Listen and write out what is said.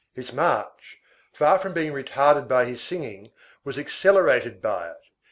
His march, far from being retarded by his singing, was accelerated by it.